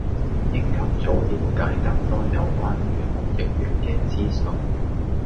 應及早暸解多啲有關預防疫苗嘅資訊